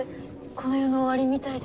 この世の終わりみたいで。